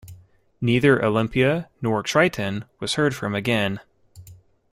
Neither "Olimpia" nor "Triton" was heard from again.